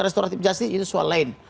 rg maksudnya itu soal lain